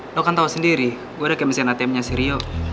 lo kan tau sendiri gue ada kemesin atmnya si rio